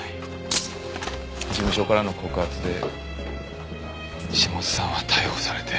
事務所からの告発で下津さんは逮捕されて。